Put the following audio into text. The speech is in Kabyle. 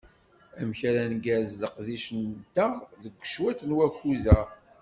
Amek ara ngerrez leqdic-nteɣ deg cwiṭ n wakud-a?